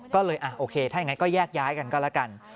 ก็เลยโอเคถ้าอย่างนั้นก็แยกย้ายกันก็แล้วกัน